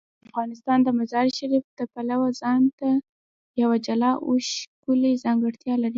افغانستان د مزارشریف د پلوه ځانته یوه جلا او ښکلې ځانګړتیا لري.